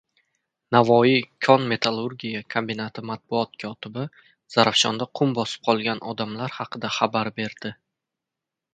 Navoiy kon-metalurgiya kombinati matbuot kotibi Zarafshonda qum bosib qolgan odamlar haqida xabar berdi